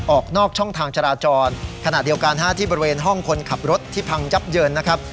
ออกนอกช่องทางจราจรขณะเดียวกันที่บริเวณห้องคนขับรถที่พังยับเยินนะครับ